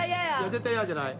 「絶対嫌」じゃない。